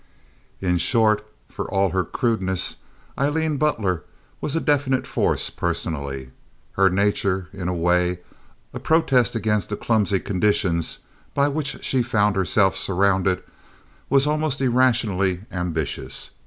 In short, for all her crudeness, Aileen Butler was a definite force personally. Her nature, in a way, a protest against the clumsy conditions by which she found herself surrounded, was almost irrationally ambitious.